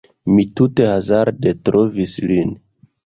Mi tute hazarde trovis lin